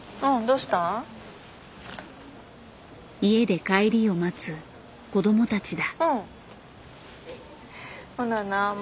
家で帰りを待つ子どもたちだ。